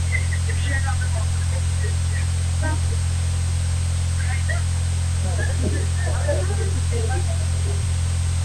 wakati hatua hiyo ya asia cup ilifika nusu fainali leo upia